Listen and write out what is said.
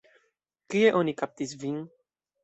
Kie oni kaptis vin?